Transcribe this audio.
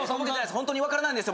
ホントに分からないんですよ